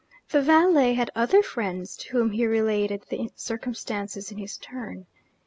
The valet had other friends to whom he related the circumstances in his turn.